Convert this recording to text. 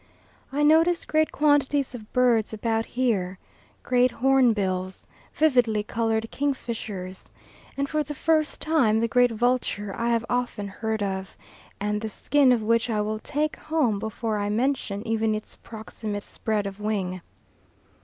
I notice great quantities of birds about here great hornbills, vividly coloured kingfishers, and for the first time the great vulture I have often heard of, and the skin of which I will take home before I mention even its approximate spread of wing.